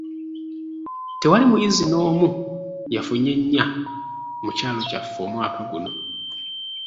Tewali muyizi n'omu yafunye nnya mu kyalo kyaffe omwaka guno.